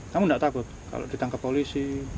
kamu tidak takut kalau ditangkap polisi